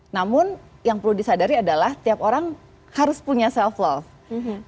namun yang perlu disadari adalah tiap orang harus punya self love